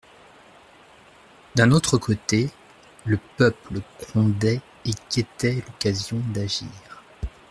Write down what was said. D'un autre côté, le peuple grondait et guettait l'occasion d'agir.